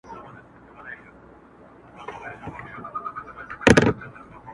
اومیدونو ته به مخه تېر وختونو ته به شاه کم,